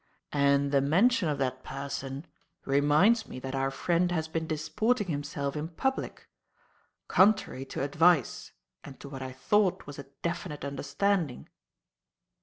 And the mention of that person reminds me that our friend has been disporting himself in public, contrary to advice and to what I thought was a definite understanding."